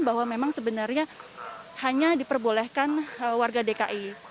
bahwa memang sebenarnya hanya diperbolehkan warga dki